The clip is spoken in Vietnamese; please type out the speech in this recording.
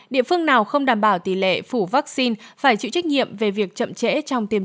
một mươi một địa phương nào không đảm bảo tỷ lệ phủ vaccine phải chịu trách nhiệm về việc chậm trễ trong tiêm